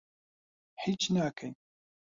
هیچ ناکەین.